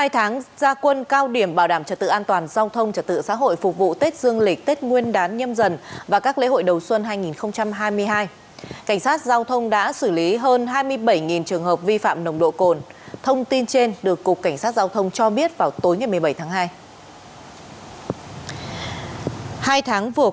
hai tháng gia quân cao điểm bảo đảm trật tự an toàn giao thông trật tự xã hội phục vụ tết dương lịch tết nguyên đán nhâm dần và các lễ hội đầu xuân hai nghìn hai mươi hai cảnh sát giao thông đã xử lý hơn hai mươi bảy trường hợp vi phạm nồng độ cồn thông tin trên được cục cảnh sát giao thông cho biết vào tối một mươi bảy tháng hai